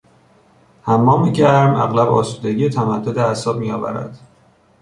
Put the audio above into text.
حمام گرم اغلب آسودگی و تمدد اعصاب می آورد.